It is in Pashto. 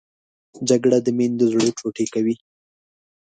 جګړه د میندو زړه ټوټې کوي